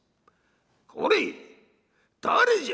「これ誰じゃ！？